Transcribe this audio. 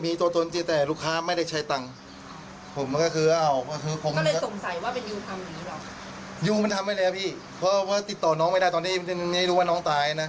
ไม่ได้ตอนนี้ไม่ได้รู้ว่าน้องตายนะ